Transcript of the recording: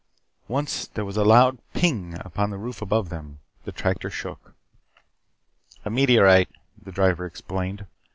Once there was a loud Ping upon the roof above them. The tractor shook. "A meteorite," the driver explained.